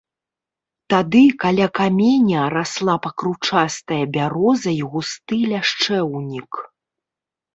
Тады каля каменя расла пакручастая бяроза і густы ляшчэўнік.